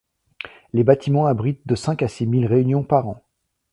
Les bâtiments abritent de cinq à six mille réunions par an.